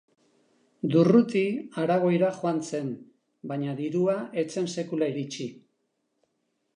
Durruti Aragoira joan zen, baina dirua ez zen sekula iritsi.